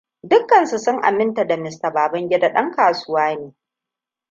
Dukkansu sun aminta da Mista Babangida ɗan kasuwa ne.